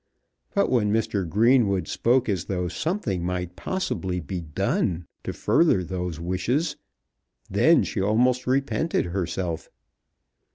But when Mr. Greenwood spoke as though something might possibly be done to further those wishes, then she almost repented herself.